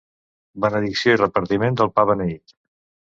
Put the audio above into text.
Benedicció i repartiment del pa beneït.